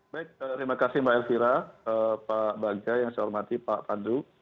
baik terima kasih mbak elvira pak bagja yang saya hormati pak pandu